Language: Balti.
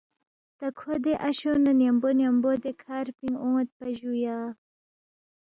تا کھو دے اشو نہ ن٘یمبو ن٘یمبو دے کھر پِنگ اون٘یدپا جُویا